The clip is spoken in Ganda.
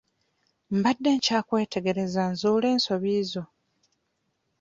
Mbadde nkyakwetegereza nzuule ensobi zo.